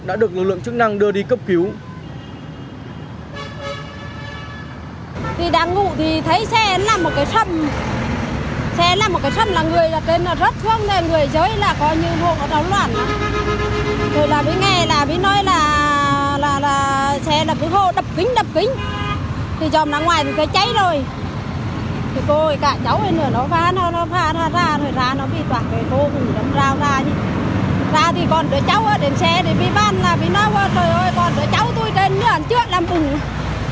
đã được lực lượng chức năng đưa đi cấp cứu